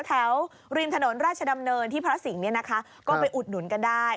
ริมถนนราชดำเนินที่พระสิงห์ก็ไปอุดหนุนกันได้